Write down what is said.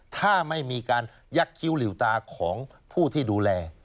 ถ้าไม่มีการยักษ์คิ้วหลิวตาของผู้ที่ดูแล